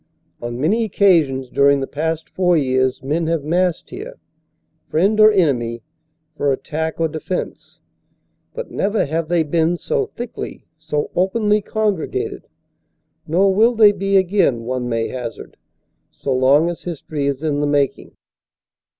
On many occasions dur ing the past four years men have massed here ; friend or enemy, for attack or defense ; but never have they been so thickly, so openly congregated. Nor will they be again, one may hazard, so long as history is in the making.